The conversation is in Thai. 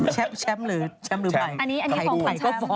แชมป์หรือแชมป์หรือใครด้วย